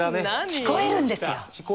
聞こえるんですよ。